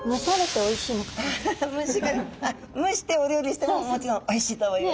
アハハムシガレイあっ蒸してお料理してももちろんおいしいと思います。